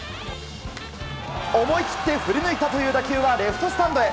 思い切って振り抜いたという打球はレフトスタンドへ。